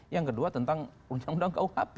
yang kedua tentang undang undang kuhp